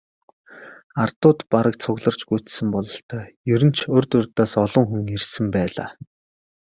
Ардууд бараг цугларч гүйцсэн бололтой, ер нь ч урьд урьдаас олон хүн ирсэн байлаа.